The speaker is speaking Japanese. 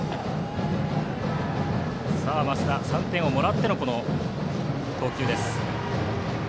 増田は３点をもらっての投球です。